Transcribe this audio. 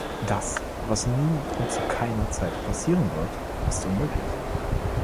Das, was nie und zu keiner Zeit passieren wird, ist unmöglich.